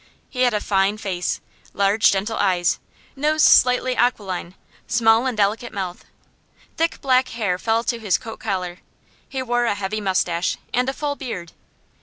He had a fine face: large, gentle eyes, nose slightly aquiline, small and delicate mouth. Thick black hair fell to his coat collar; he wore a heavy moustache and a full beard.